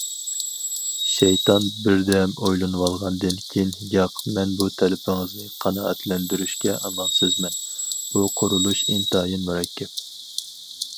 شەيتان بىر دەم ئويلىنىۋالغاندىن كېيىن:- ياق، بۇ تەلىپىڭىزنى قانائەتلەندۈرۈشكە ئامالسىزمەن، بۇ قۇرۇلۇش ئىنتايىن مۇرەككەپ.